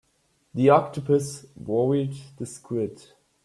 The octopus worried the squid.